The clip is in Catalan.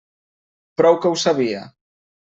Prou que ho sabia.